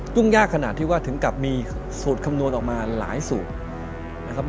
ต้นยากขนาดที่ว่าถึงกลับมีสูตรคำนวณออกมาหลายสูตร